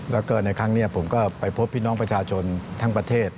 แล้วก็ในครั้งนี้ผมก็ไปพบพี่น้องประชาชนทั้งประเทศ